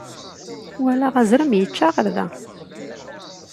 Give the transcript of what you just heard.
Walaɣ azrem yečča aɣerda.